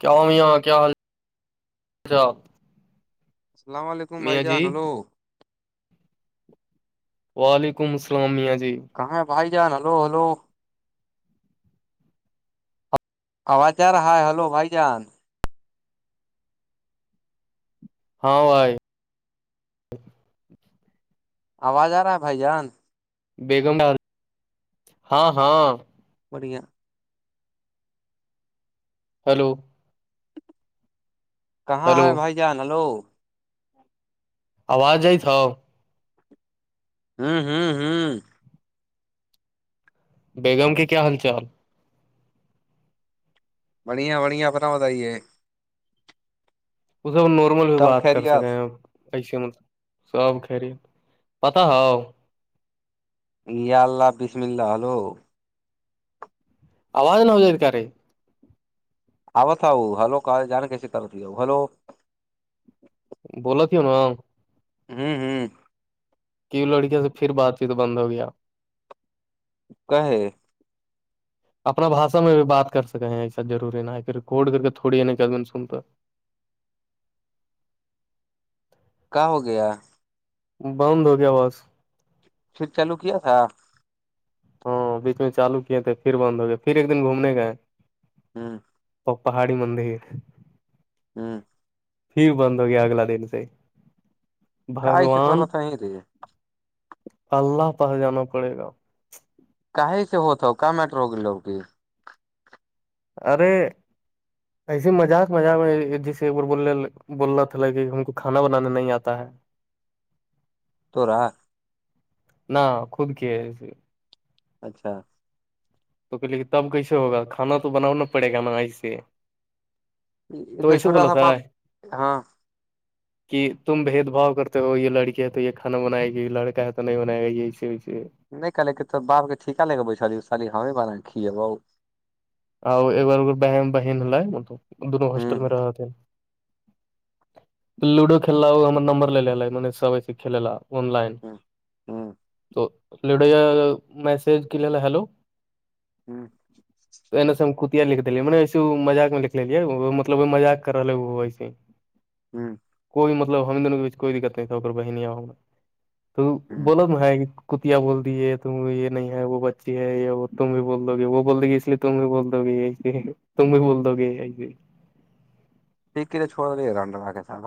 کیا ہوام یہ کیا حالا السلام علیکم بھائی جی جان ہیلو وعلیکم السلامیہ جی کہاں ہے بھائی جان ہلو ہلو آواز رہاائے ہلو بھائی جان ہاں بھائی آواز آ رہا ہے بھائی جان بیگم گ ہاں ہاں بڑھیاں ہلو کہاں ہیلو ہے بھائی جان ہلو آواز جئی تھا ہوں ہوں ہ ہوں بیگم کے کیا حال چال بڑیا بڑیا پراؤ تائی یہ اسے نارمل بھی سب بات کر سکے خیریت ہیں آپ ایسے مطلب سب خریے پتا ہ یہ اللہ حا بسم اللہ ہلو آواز نہ ہو جائے ا کارے آو تھا وہ ہلو کہ جان کیسے کرتی ہلو بولا ت ہ نا ہ ہوں ہوں کیوں لڑکیاوں سے پھر بات چیت بند ہو گیا کا ہے [unintelligible] اپنا باشا میں بھی بات کر سکیں ہیں ایسا ضروری ن ہے کہ ریکارڈ کر کے تھوڑید سن تو کا ہو گیا بند ہو گیا بس چٹ چالو کیا تھا ہاں بیچ میں چالو کیے تھے پھر بند ہو گئے پھر ایک دن گھومنے گئے ہوں وہ پہاڑی مندر ہاں پھر بند ہو گیا اگلا دن سے کائی سے بھگوان کرت ہی رے اللہ پاس جانا پڑے گا کہاں سے ہوتا ہو کہ میٹرو کے لوگ کی ارے ایسے مذاق مذاق میں جیسے ایک بار بول بول رہا تھا کہ ہم کو کھانا بنانے نہیں آتا ہے تو رہا نہ خود کے اسے اچھا تو کہ لے کہ تب کیسے ہوگا کھا تو بناؤا پڑے گا نا ایسے تو اتنا ایسے چھوٹا بولا سا تھا بات ہاں کہ تم بھید بھؤ کرتے ہو یہ لڑکی ہے تو یہ کانا بنائے گی یہ لڑکا ہے تو نہیں بائے گا یہ ایسے ویسے نہیں کہلے کہ تو باپ کا ٹیکا لگا بچا سالی ہمیں بار کھیے باو اور ایک بارگر بہن بہن ہو مطلب دونوں ہسٹل میں رہ لوڈو کھیلا وہ ہم نمبر لے ہے م سب ایے کھیلاا آن لائن تو لڈو یا میسج کے لیے ہیلو ہوں سے ہم کتیا لکھ دے منے ایسے مذاق میں لکھ لے مطلب مذق کرالے وسے [inaudible] ہوں کوئی مطلب ہم دنوں کے بیچ کوئی دقت نہیں تھا ہو بہن آؤ گا تو بولو تو ہے کتیا بول دی ت یہ نہیں ہے وہ بچی ہے یہ وہ تم بھی بول دوو گے وہ بول د گی اس لیے تم بھی بول دو گیے تم بھی بول دو گے ایک کے لے چوڑا دے رنڈا با کے ساتھ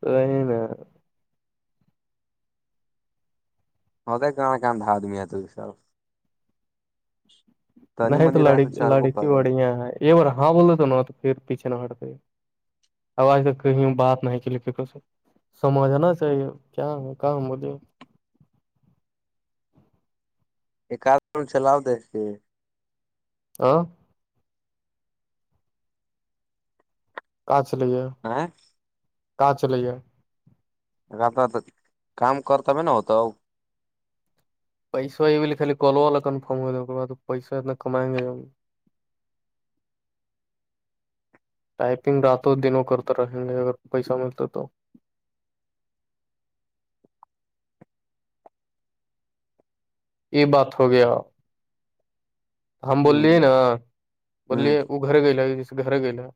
تو نہیں نا ہو تو کہاں کہاں بعد میں تو سب نہیں تو لڑک لڑکی بڑی ہے یہ بار ہاں بولے تو ن تو پھر پیچے نہ ہٹتے آواز تو کہیں بات نہیں کلک سمجھ آنا چاہیے کیا ہے کا بولے ایکدن چلاؤ دکھتے ہاں کا اچھی لگی ہے آ کا چل گے تا کام کرتابھی نہ ہوتا پیسا ہے خال کالو والا کنفم بعد تو پیسا اتنا کمائیں گے ٹائپنگ راتوں دنوں کرتے رہیں گے اگر پیسہ ملتا تو یہ بات ہو گیا ہم بولیے نا بولیے وہ گھر گلا جسے گھر گلا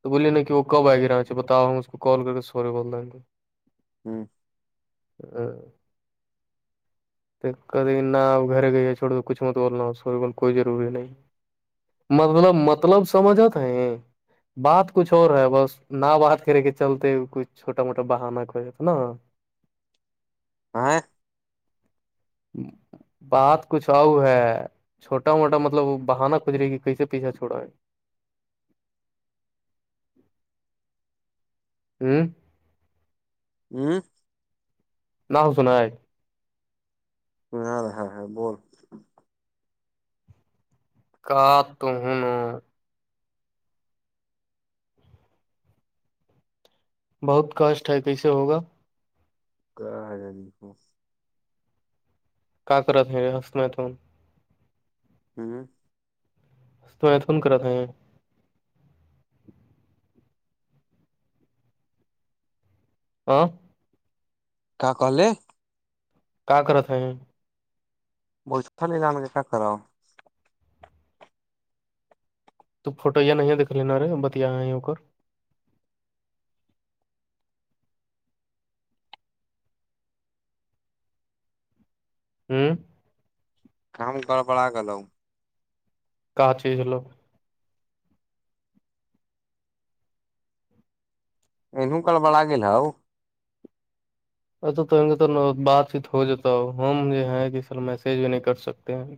تو بولیے نا کہ وہ کب آئے گا رہاچہ بتاؤ ہم اس کو کال کر کے سوری بول دیں گے ہوں ہاں ک کری نہ وہ گھر گی چوڑ کچھ مت اور لاو کوئی ضروری نہیں مطلب مطلب سمجھ آتا ہے بات کچھ اور ہے بس نا باہات کرھیرے کے چلتے کچھ چوٹا موٹا بہانہ کو ہے تو نا [inaudible] آ بات کچھ اؤ ہے چھوا موٹا مطلب بہانہ کجرے گی کیسے پیچھا چھڑا ہے ہوں ہوں نہ سنائے ہاں ہاں ہ بول کا تو بہت کاسٹ ہے کیسے ہوگا کہ جی کا کرت ہیں ہسنات ہوں تو ای آ کون کرا ہیں آ ک کہل کیا کرتا ہے بول ل جان کے پ خر آ تو فوٹو یہیا نہیں ہے دکھھ لینا رے بتیا ار ہوں کم کر بلاا گل کہ چیز لوگ نوں کاال بڑاگے اا تو بات چیت ہو جاتا ہو ہم جو ہے کہ سر میسج بھی نہیں کر سکتے ہیں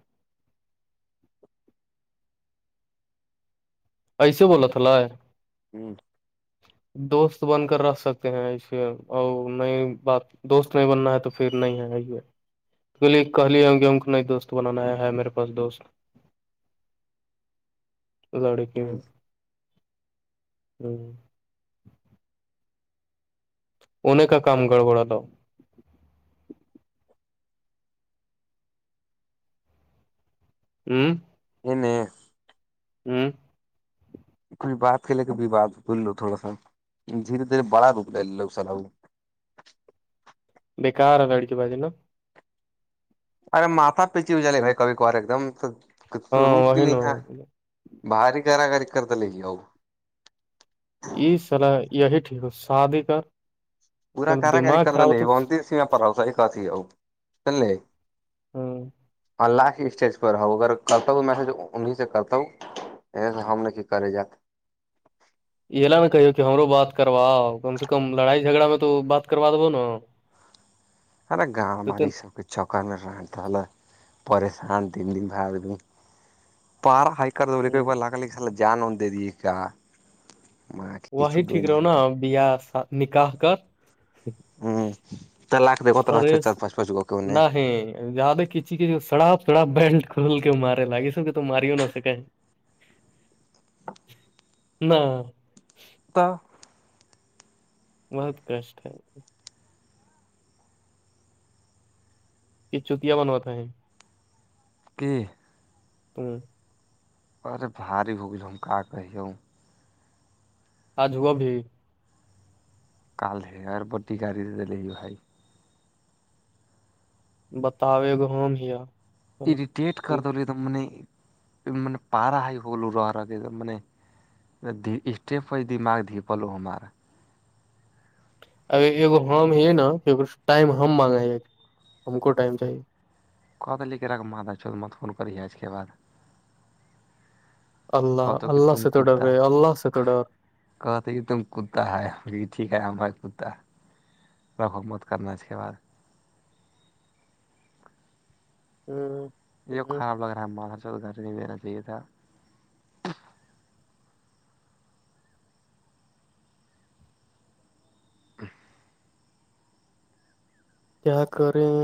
ایسے بولا تھالا دوست بن کر رکھ سکتے ہیں اسے اور نئی بات دوست نہیں بننا ہے تو پھر نہیں ہےی ہے بلیے کہ لیاوں گے ہم کو ن ایک دوست بنانا ہے میرے پاس دوست ا لڑ کی یہ ہ انیں کا کام گڑبڑا لا ہوں ا ہوں کئی بات کے لے کےواد کرولو تھوڑا سا دھیرے دھیرے بڑا روک لے لو سلا بیکار ہاڑ کی باجن ارے ماتا پیچی جلے بھائی کبھی کبار ایک دم ہاں روک وہی گی نا ہیں باری کارا کاری کر اس سلاح یہی ٹھیک شادی کر پورا پھر کارا کاری دماغ خراب کردل ہوتا وہتس سیما پ آؤس ایک کسی س لے ہاں ہ لاسٹ اسٹیج پر رہؤ اگر کرتا مسج ا انہیں سے کرتا ہوں ا سے ہم نے کی کری جات یہ ل نہ کہیے کہ ہمرو بات کرواؤ کم سے کم لڑائی جھگڑا میں تو بات کروا دب نا [inaudible] ہے نا گاؤ باری سب تو کو چکر میں رتالا پریشان دن دن ب آدمی پارا ہائ کرار د ب لگلی سل جان اندد کا م کچھ وہی ٹھیک دن رہو نا کے بیا نکاہ کر تو لاکتے بت رہا چار فریش پانچ پانچ گو کووں نے نہیں زیادہ کچی کچ سڑاپ سڑاپ بیلٹ کھول کے مارے لاگ اس تو ماریوں نہ سکے نہ کتا بت کرشٹ کہ چتیا بنواتا ہے کہ تو ارے بھاری ہوگ ہمک کہہے آج وہ بھی کال ہے اور بٹی گاڑی دلے بھائی بتاؤ ای گ ہم ہییا اریٹٹ کر دلی پارا ہ ہوول ر رہ اسٹیپ پ دماگ دھیی پلو ہو ہمار ا ہم یہ نا ٹائم ہم مانگا ہے ہمک ٹائم چاہیے کہہ دیے کہ را مادا چوود مت فون کری ہے اس کے بد اللہ اللہ سے توڈر رہے اللہ سے تور کہتے تم کتا ہے ٹیک ہے ہمار کتا رب موت کرنا کے بع ہاں یہ خراب لگ رہا ہے مال ہر چ گھر نہیں دیننا چاہیے تھا [inaudible] کیا کریں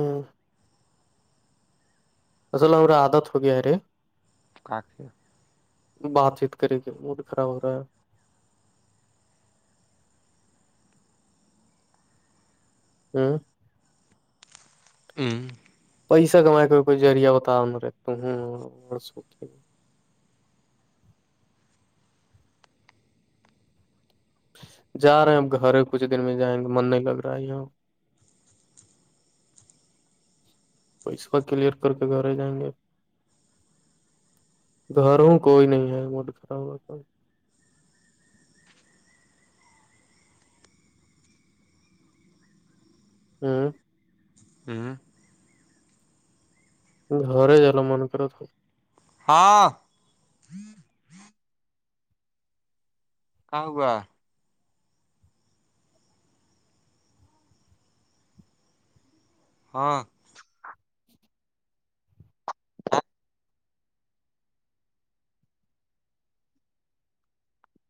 اا لا اورورا آدات ہو گیارے کاف بات چیت کرے گ موڈ خراب ہو رہا ہے ہاں ہوں پیسہ کم کا کوئی جذریہ بتاا رے ت سو جا رہے ہیں اب گھر کچھ دن میں جائیں گے من نہیں لگ رہا ہے یہاں پیسہ کلیئر کر کے گھر آ جائیں گے گھر ہوں کوئی نہیں ہے م گھرا ہوا کو ہاں [inaudible] گر جال من کرا تھ ہاں [inaudible] آوا ہاں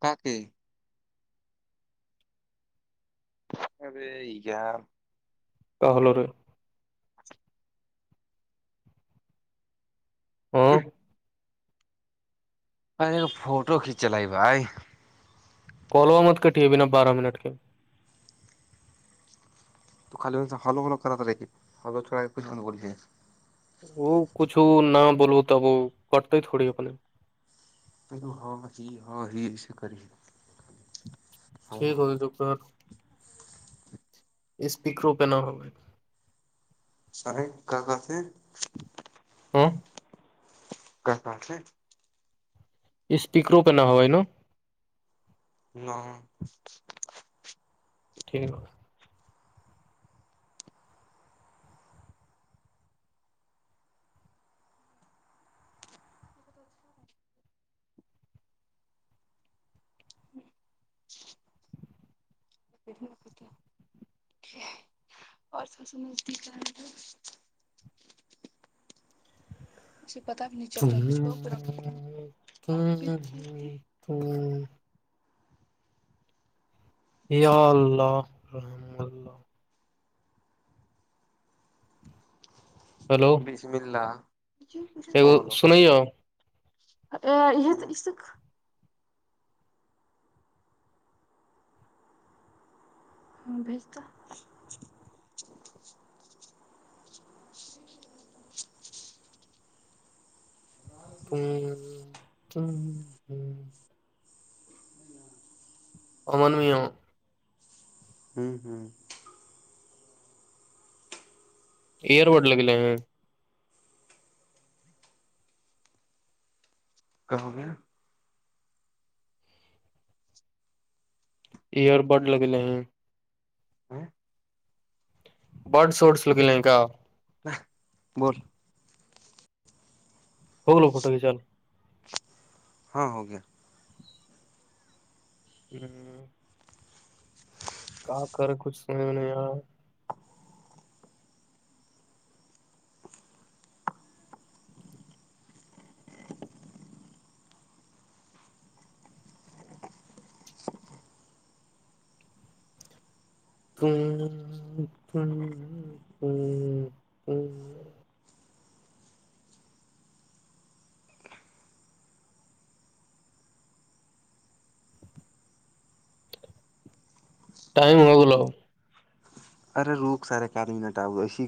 کا کے ارے کیا کالور ہاں [inaudible] پے فوٹو کھینچ لے بھائی کالوا مت کٹے بنا بارہ منٹ کے تو خالی ہوو کرتا تھا ر ہو چوا پے وہ کچھ نہ بولو تب وہ کٹتے تھوڑی اپنے پ ہاں ب ہاں ہی کری ٹھیک ہوتے چپر اسپیکرو پ نہا ہو سرے کا کا تھ ہیں [inaudible] کت آھ ہیں اسپیکروں پ نہ ہو ہے نا [inaudible] ٹھیک اور سب سمجھ بھی کیا تھا شھ [inaudible] یا اللہ رحملہ ہلو بسم اللہ اگو سنائیا ا یہ اس سک ہ بھیجتا ہ ہ امنویہ ہوں ہوں ایئر بڈ لگلے ہیں کہ ہو گیا ایئر بڈ لگلے ہیں ہاں ب سورس لگ لے ہیں کا بول ہوگو فوٹو کچا ہاں ہو گیا ہوں کہ کر کچھ س میں نہیں ک ٹائم ہوگ ل ارے روک سرے کار منٹ آؤ گا ا